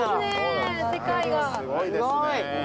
すごいですね。